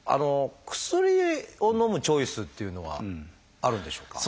薬をのむチョイスっていうのはあるんでしょうか？